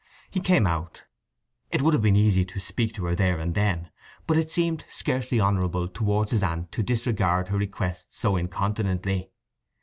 He came out. It would have been easy to speak to her there and then, but it seemed scarcely honourable towards his aunt to disregard her request so incontinently.